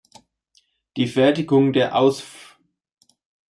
Die Fertigung der Ausf.